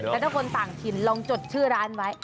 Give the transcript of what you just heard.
แต่ถ้าคนต่างถิ่นลองจดชื่อร้านไว้